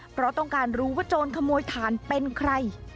เพราะต้องการรู้ว่าโจรขโมยถ่านเป็นใคร